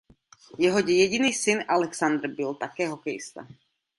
Jeho jediný syn Alexandr byl také hokejista.